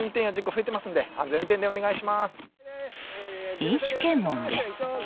飲酒検問です。